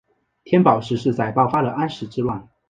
天宝十四载爆发了安史之乱。